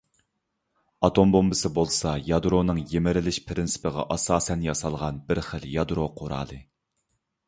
ئاتوم بومبىسى بولسا يادرونىڭ يىمىرىلىش پىرىنسىپىغا ئاساسەن ياسالغان بىرخىل يادرو قورالى.